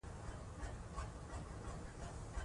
تعلیم د تعصب مخه نیسي.